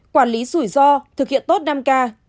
quản lý rủi ro thực hiện tốt năm k